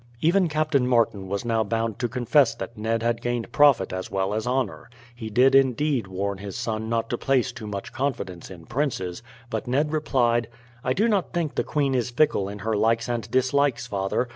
Even Captain Martin was now bound to confess that Ned had gained profit as well as honour. He did indeed warn his son not to place too much confidence in princes; but Ned replied, "I do not think the queen is fickle in her likes and dislikes, father.